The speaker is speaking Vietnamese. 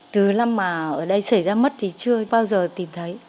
từ năm mà ở đây xảy ra mất thì chưa bao giờ tìm thấy